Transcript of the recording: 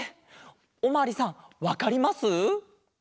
おまわりさんわかります？